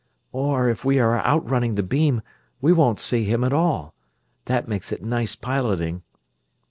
"Or, if we are outrunning the beam, we won't see him at all. That makes it nice piloting."